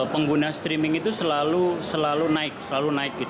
pengguna streaming itu selalu naik